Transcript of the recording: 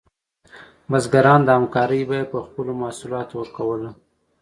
بزګران د همکارۍ بیه په خپلو محصولاتو ورکوله.